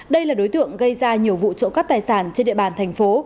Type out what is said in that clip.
đây là đối tượng gây ra nhiều vụ trộm cắp tài sản trên địa bàn thành phố